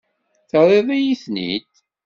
Terriḍ-iyi-ten-id.